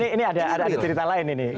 ini ada cerita lain ini